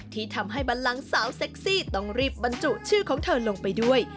ที่ทำให้บันลังสาวเซ็กซี่ต้องรีบบรรจุชื่อของเธอลงไปด้วย